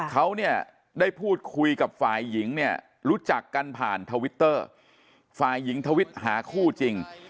เขาเนี่ยได้พูดคุยกับฝ่ายหญิงเนี่ยรู้จักกันผ่านทวิตเตอร์ฝ่ายหญิงทวิตหาคู่จริง